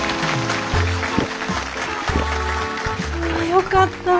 よかったぁ。